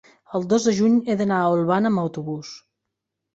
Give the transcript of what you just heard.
el dos de juny he d'anar a Olvan amb autobús.